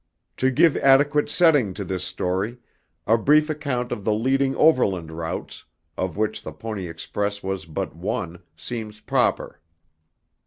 To give adequate setting to this story, a brief account of the leading overland routes, of which the Pony Express was but one, seems proper.